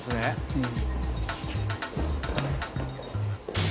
うん。